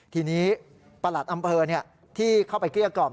ทีนี้ประหลัดอำเภอที่เข้าไปเกลี้ยกล่อม